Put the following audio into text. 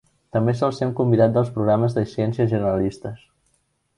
També sol ser un convidat dels programes de ciències generalistes.